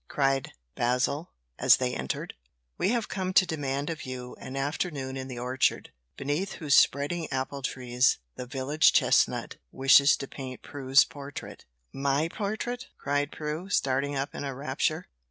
cried Basil, as they entered. "We have come to demand of you an afternoon in the orchard, beneath whose spreading appletrees the village chestnut wishes to paint Prue's portrait." "My portrait?" cried Prue, starting up in a rapture.